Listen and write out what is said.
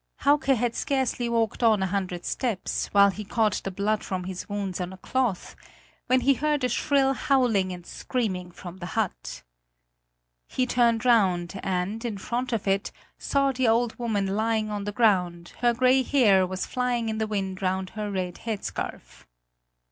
Hauke had scarcely walked on a hundred steps, while he caught the blood from his wounds on a cloth, when he heard a shrill howling and screaming from the hut. He turned round and, in front of it, saw the old woman lying on the ground; her grey hair was flying in the wind round her red head scarf.